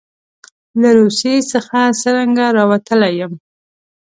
له روسیې څخه څرنګه راوتلی یم.